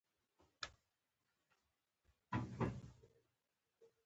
که په خپل ذهن کې د وېرې او ناکامۍ زړي وکرئ.